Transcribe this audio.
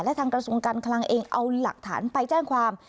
และทางกระทรวงการคลังเองเอาหลักฐานไปแจ้งความ